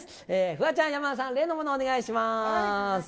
フワちゃん、山田さん、例のものお願いします。